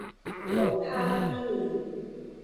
龍蝦伊麵